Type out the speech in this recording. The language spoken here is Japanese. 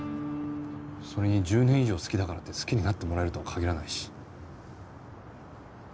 それに１０年以上好きだからって好きになってもらえるとは限らないし。